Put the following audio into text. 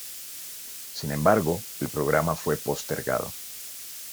Sin embargo, el programa fue postergado.